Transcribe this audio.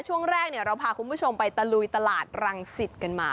ช่วงแรกเราพาคุณผู้ชมไปตะลุยตลาดรังสิตกันมา